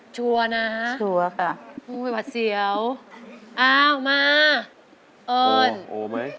ชัวร์นะวัดเจียวเอ้ามาออร์นโอมั้ย